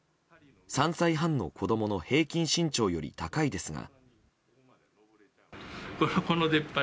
３歳半の子供の平均身長より高いですが。